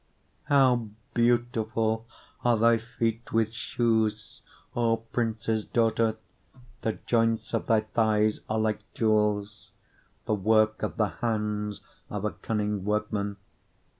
7:1 How beautiful are thy feet with shoes, O prince's daughter! the joints of thy thighs are like jewels, the work of the hands of a cunning workman.